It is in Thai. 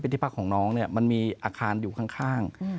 ที่พักของน้องเนี่ยมันมีอาคารอยู่ข้าง